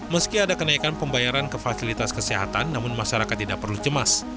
meski ada kenaikan pembayaran ke fasilitas kesehatan namun masyarakat tidak perlu cemas